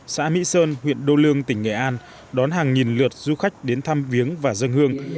xã mỹ sơn huyện đô lương tỉnh nghệ an đón hàng nghìn lượt du khách đến thăm viếng và dân hương